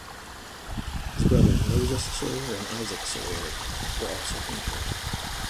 His brothers Moses Soyer and Isaac Soyer were also painters.